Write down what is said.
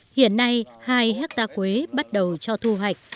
hiện nay hai hectare quế bắt đầu cho thu hoạch